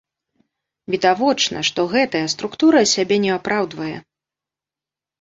Відавочна, што гэтая структура сябе не апраўдвае.